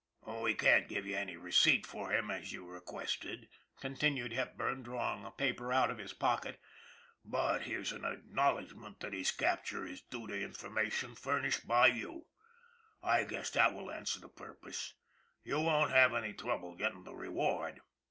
;< We can't give you any receipt for him as you re quested/' continued Hepburn, drawing a paper out of his pocket ;" but here's an acknowledgment that his capture is due to information furnished by you. I guess that will answer the purpose. You won't have any trouble getting the reward."